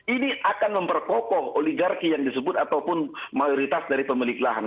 ini akan memperkokoh oligarki yang disebut ataupun mayoritas dari pemilik lahan